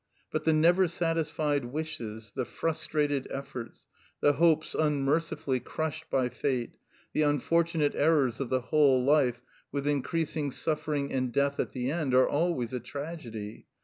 But the never satisfied wishes, the frustrated efforts, the hopes unmercifully crushed by fate, the unfortunate errors of the whole life, with increasing suffering and death at the end, are always a tragedy.